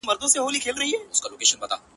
د ژوند و دغه سُر ته گډ يم و دې تال ته گډ يم_